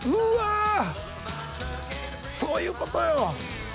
そういうことよ。